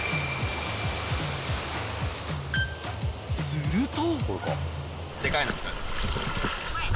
［すると］